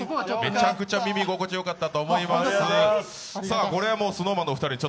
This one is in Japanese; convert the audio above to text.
めちゃくちゃ耳心地よかったと思います。